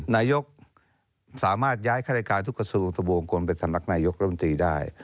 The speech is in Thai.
นายโยคสามารถย้ายค้าอาณาจาลทุกกสูตรจบวงควรได้